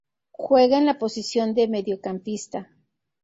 Juega en la posición de Mediocampista.